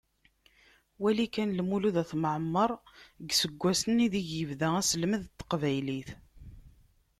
Wali kan Lmulud At Mεemmer deg yiseggasen ideg ibda aselmed n teqbaylit.